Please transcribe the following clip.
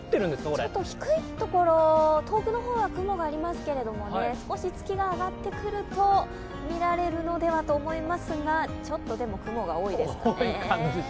ちょっと低いところ、遠くの方は雲がありますけど、少し月が上がってくると、見られるのではと思いますが、ちょっと、でも、雲が多いですね。